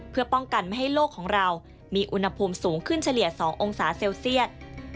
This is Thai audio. เพื่อป้องกันไม่ให้โลกของเรามีอุณหภูมิสูงขึ้นเฉลี่ย๒องศาเซลเซียต